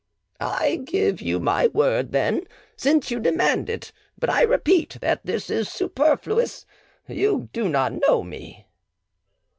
"I give you my word, then, since you demand it; but I repeat that this is superfluous; you do not know me."